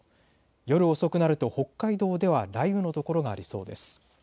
夜遅くなると北海道では雷雨の所がありそうです。